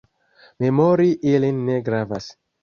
Memori ilin ne gravas.